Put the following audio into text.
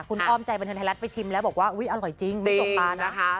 คุณอ้อมใจบันเทิงไทยรัฐไปชิมแล้วบอกว่าอุ๊ยอร่อยจริงไม่จกตานะคะ